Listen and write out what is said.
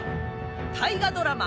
大河ドラマ